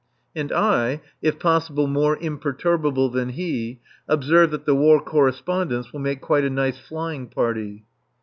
And I (if possible more imperturbable than he) observe that the War Correspondents will make quite a nice flying party.